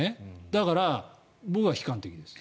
だから僕は悲観的です。